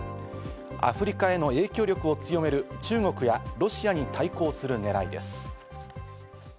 アフリカへの影響力を強める中国やロシアに対抗するねらいです。